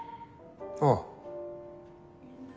ああ。